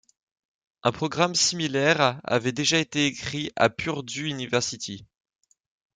Un programme similaire avait déjà été écrit à Purdue University.